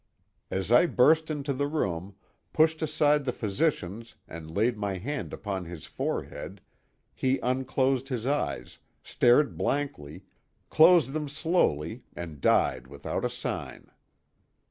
As I burst into the room, pushed aside the physicians and laid my hand upon his forehead he unclosed his eyes, stared blankly, closed them slowly and died without a sign.